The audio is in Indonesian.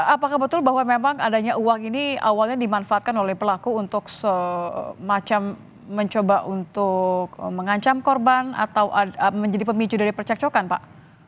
apakah betul bahwa memang adanya uang ini awalnya dimanfaatkan oleh pelaku untuk semacam mencoba untuk mengancam korban atau menjadi pemicu dari percekcokan pak